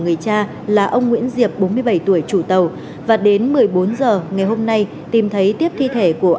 người cha là ông nguyễn diệp bốn mươi bảy tuổi chủ tàu và đến một mươi bốn h ngày hôm nay tìm thấy tiếp thi thể của